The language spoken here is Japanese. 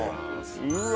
うわ。